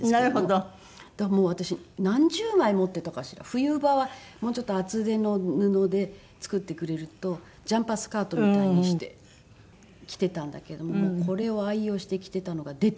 冬場はもうちょっと厚手の布で作ってくれるとジャンパースカートみたいにして着てたんだけれどもこれを愛用して着てたのが出てきて。